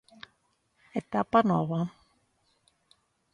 Etapa nova.